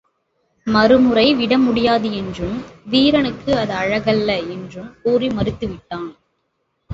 மறுமுறை விடமுடியாது என்றும், வீரனுக்கு அது அழகல்ல என்றும் கூறி மறுத்து விட்டான்.